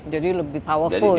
jadi lebih powerful ya